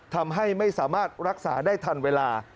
ทำให้ไม่สามารถรักษาได้ทันเวลา